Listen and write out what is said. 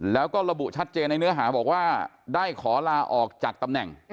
แล้วก็ระบุชัดเจนในเนื้อหาบอกว่าได้ขอลาออกจากตำแหน่ง